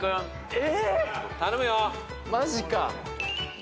え！？